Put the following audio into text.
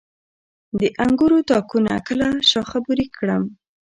د انګورو تاکونه کله شاخه بري کړم؟